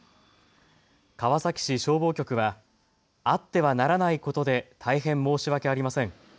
川崎市消防局はあってはならないことで大変申し訳ありません。